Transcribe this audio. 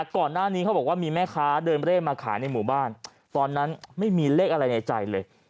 ก่อนหน้านี้เขาบอกว่ามีแม่ค้าเดินเร่มาขายในหมู่บ้านตอนนั้นไม่มีเลขอะไรในใจเลย